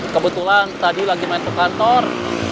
kebetulan tadi lagi main ke kantor